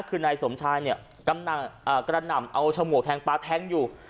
คือนายสมชายเนี่ยกำลังกระหน่ำเอาฉมวกแทงปลาแทงอยู่